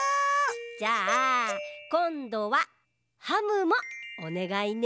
じゃあこんどはハムもおねがいね。